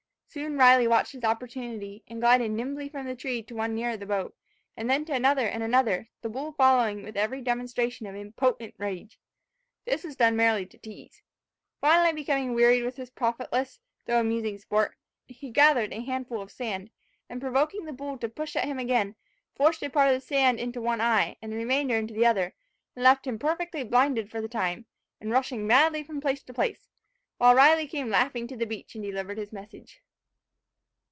Soon Riley watched his opportunity, and glided nimbly from that tree to one nearer the boat; then to another and another; the bull following with every demonstration of impotent rage. This was done merely to teaze. Finally becoming wearied with this profitless, though amusing sport, he gathered a handful of sand, and provoking the bull to push at him again, forced a part of the sand into one eye, and the remainder into the other, and then left him perfectly blinded for the time, and rushing madly from place to place, while Riley came laughing to the beach, and delivered his message.